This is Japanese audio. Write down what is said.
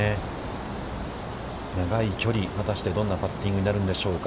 長い距離果たしてどんなパッティングになるんでしょうか。